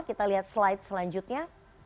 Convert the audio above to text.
kita lihat slide selanjutnya